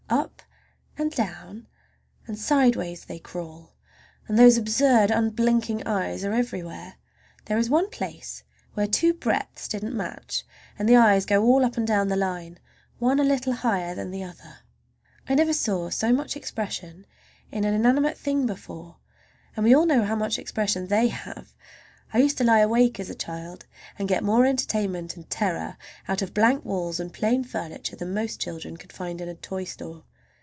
Up and down and sideways they crawl, and those absurd, unblinking eyes are everywhere. There is one place where two breadths didn't match, and the eyes go all up and down the line, one a little higher than the other. I never saw so much expression in an inanimate thing before, and we all know how much expression they have! I used to lie awake as a child and get more entertainment and terror out of blank walls and plain furniture than most children could find in a toy store.